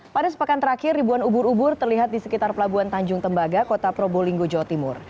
pada sepekan terakhir ribuan ubur ubur terlihat di sekitar pelabuhan tanjung tembaga kota probolinggo jawa timur